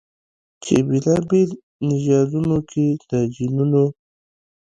چې بېلابېلو نژادونو کې د جینونو